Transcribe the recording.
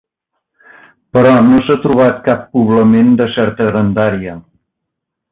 Però no s'ha trobat cap poblament de certa grandària.